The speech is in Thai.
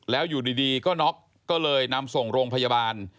แล้วอยู่ดีก็น็อกก็เลยนำส่งโรงพยาบาล